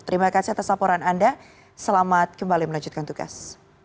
terima kasih atas laporan anda selamat kembali melanjutkan tugas